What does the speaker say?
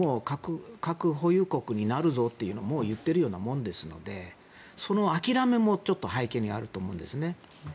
核保有国になるぞというのをもう言ってるようなものですのでその諦めも、ちょっと背景にあると思うんですね。